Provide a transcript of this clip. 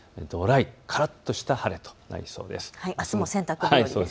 からっとした晴れとなりそうです。